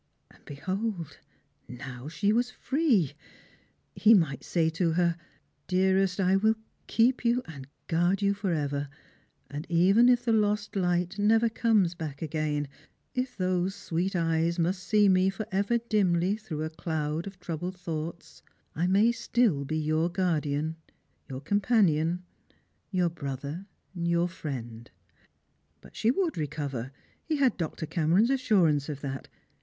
And behold, now she was free! He might say to her, "Dearest, I will keep you and guard you for ever ; and even if the lost light never comes baek again— if those sweet eyes must see me for ever dimly through a cloud of troubled thoughts— I may still be your guardian, your companion, your brother, your friend." But she would recover— he had Dr. Cameron's assurance of that.